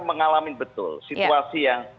mengalami betul situasi yang